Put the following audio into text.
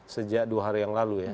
sejak dua hari yang lalu ya